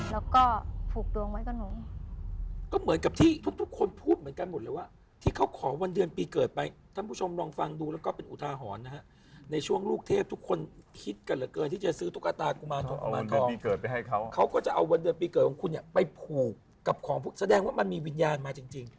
แล้วก็ผูกดวงไว้กับน้องก็เหมือนกับที่ทุกทุกคนพูดเหมือนกันหมดเลยว่าที่เขาขอวันเดือนปีเกิดไปท่านผู้ชมลองฟังดูแล้วก็เป็นอุทาหรณ์นะฮะในช่วงลูกเทพทุกคนคิดกันเหลือเกินที่จะซื้อตุ๊กตากุมารทองไปให้เขาเขาก็จะเอาวันเดือนปีเกิดของคุณเนี่ยไปผูกกับของพวกแสดงว่ามันมีวิญญาณมาจริงจริง